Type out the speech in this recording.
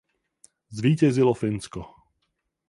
Zvítězilo Finsko.